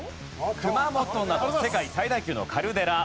熊本など世界最大級のカルデラ。